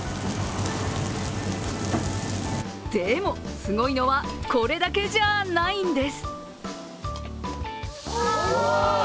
でも、すごいのはこれだけじゃあないんです。